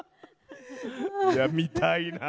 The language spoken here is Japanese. いや見たいなあ。